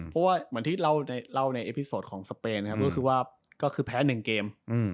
เพราะว่าเหมือนที่เล่าในเอพิโสตของสเปนก็คือแพ้๑เกม